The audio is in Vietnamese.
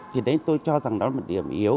thì đấy tôi cho rằng đó là một điểm yếu